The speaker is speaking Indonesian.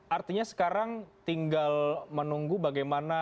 artinya sekarang tinggal menunggu bagaimana